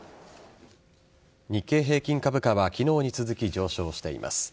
日経平均株価は昨日に続き上昇しています。